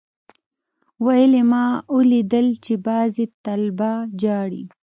ويل يې ما اوليدل چې بعضي طلبا جاړي.